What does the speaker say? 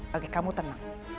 bagi kamu tenang